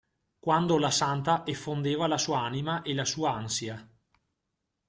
Quando la santa effondeva la sua anima e la sua ansia.